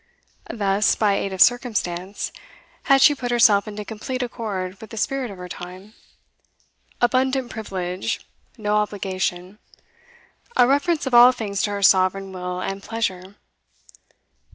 Thus, by aid of circumstance, had she put herself into complete accord with the spirit of her time. Abundant privilege; no obligation. A reference of all things to her sovereign will and pleasure.